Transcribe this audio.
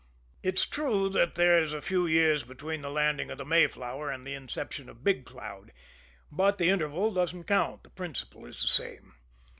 It's true that there's a few years between the landing of the Mayflower and the inception of Big Cloud, but the interval doesn't count the principle is the same.